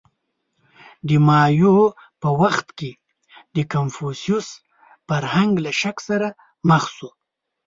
• د مایو په وخت کې د کنفوسیوس فرهنګ له شک سره مخ شو.